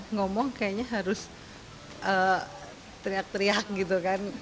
ngomong kayaknya harus teriak teriak gitu kan